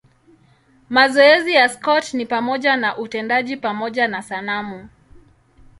Mazoezi ya Scott ni pamoja na utendaji pamoja na sanamu.